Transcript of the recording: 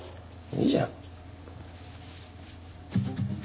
いいじゃん。